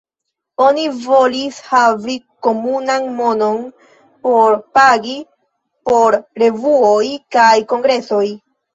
Oni volis havi komunan monon por pagi por revuoj kaj kongresoj.